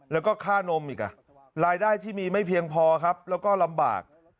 แล้วก็ค่านมอีกรายได้ที่มีไม่เพียงพอครับแล้วก็ลำบาก